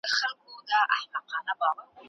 زه په خیال کي شاه جهان د دې جهان وم